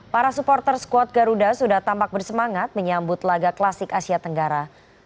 para supporter squad garuda sudah tampak bersemangat menyambut laga klasik asia tenggara